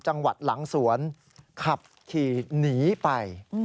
จังหวัดหลังสวนขับขี่หนีไป